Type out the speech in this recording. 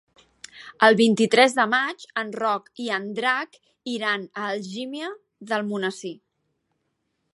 El vint-i-tres de maig en Roc i en Drac iran a Algímia d'Almonesir.